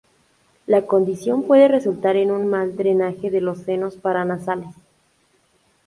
La condición puede resultar en un mal drenaje de los senos paranasales.